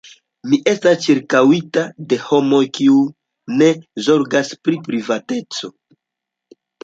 Mi estas ĉirkaŭita de homoj, kiuj ne zorgas pri privateco.